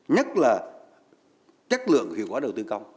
nhất là chất lượng hiệu quả đầu tư công